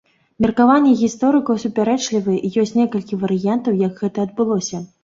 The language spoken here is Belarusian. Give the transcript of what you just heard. Меркаванні гісторыкаў супярэчлівыя і ёсць некалькі варыянтаў як гэта адбылося.